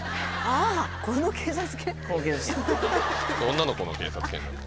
女の子の警察犬なんで。